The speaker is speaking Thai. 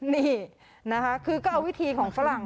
นี่นะคะคือก็เอาวิธีของฝรั่ง